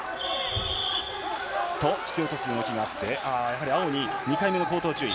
引き落とす動きがあって、やはり青に２回目の口頭注意。